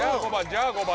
じゃあ８番。